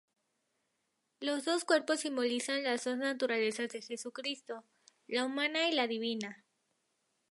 Los dos cuerpos simbolizan las dos naturalezas de Jesucristo: la humana y la divina.